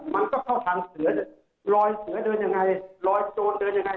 มันก็เข้าทางเสือรอยเสือเดินยังไงรอยโจรเดินยังไง